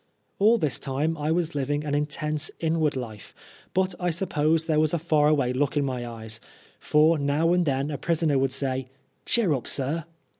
All this time I was living an intense inward life, but I suppose there was a far away look in my eyes, for now and then a prisoner would say " Cheer up, sir."